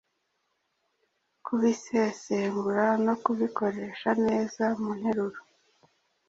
kubisesengura no kubikoresha neza mu nteruro